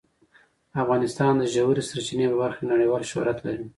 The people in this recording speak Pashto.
افغانستان د ژورې سرچینې په برخه کې نړیوال شهرت لري.